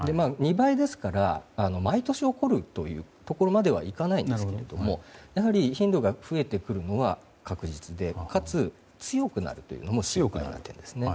２倍ですから毎年起こるというところまではいかないんですけどやはり頻度が増えてくるのは確実でかつ、強くなるというのもあるんですね。